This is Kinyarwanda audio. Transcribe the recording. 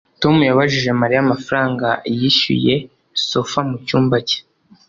Tom yabajije Mariya amafaranga yishyuye sofa mucyumba cye